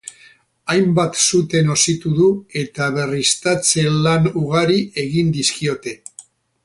Hainbat sute nozitu du, eta berriztatze-lan ugari egin dizkiote.